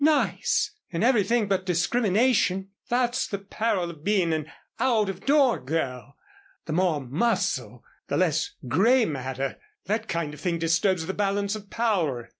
"Nice! In everything but discrimination. That's the peril of being an 'out of door girl.' The more muscle, the less gray matter. That kind of thing disturbs the balance of power."